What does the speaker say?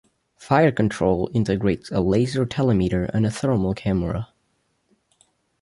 Fire control integrates a laser telemeter and a thermal camera.